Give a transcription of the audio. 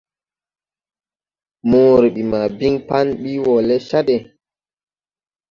Moore ɓi ma ɓin Pan ɓi wo le Chad.